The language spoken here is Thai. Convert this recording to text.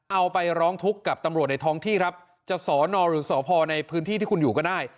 เอาไปร้องทุกข์กับตำรวจในท้องที่ครับจะสอนอหรือสพในพื้นที่ที่คุณอยู่ก็ได้